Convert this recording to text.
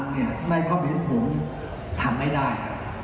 ในความเห็นผมทำไม่ได้